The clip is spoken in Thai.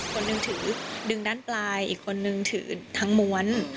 คนหนึ่งถือดึงด้านปลายอีกคนนึงถือทั้งม้วน